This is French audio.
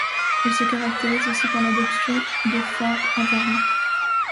Elle se caractérise aussi par l'adoption de phares avant ronds.